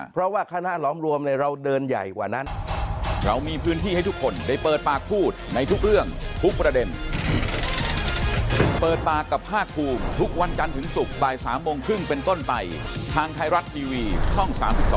เพราะว่าคณะล้อมรวมเราเดินใหญ่กว่านั้น